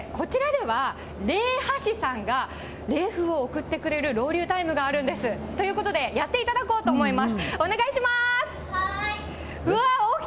こちらでは冷波師さんが冷風を送ってくれるロウリュウタイムがあるんです。ということでやっていただこうと思います。